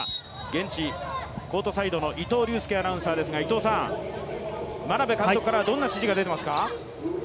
現地コートサイドの伊藤隆佑アナウンサーですが、眞鍋監督からはどんな指示が出ていますか。